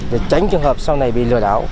để tránh trường hợp sau này bị lừa đảo